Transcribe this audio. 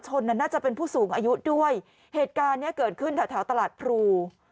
น่าจะเป็นผู้สูงอายุด้วยเหตุการณ์เนี้ยเกิดขึ้นแถวแถวตลาดพรู